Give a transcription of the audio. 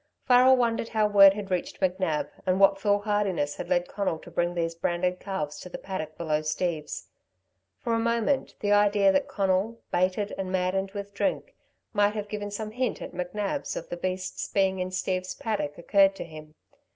Farrel wondered how word had reached McNab, and what foolhardiness had led Conal to bring these branded calves to the paddock below Steve's. For a moment the idea that Conal, baited and maddened with drink, might have given some hint at McNab's of the beasts being in Steve's paddock, occurred to him.